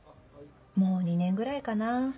もう２年ぐらいかなぁ。